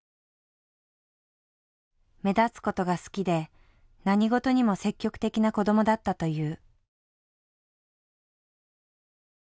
目立つことが好きで何事にも積極的な子どもだったという。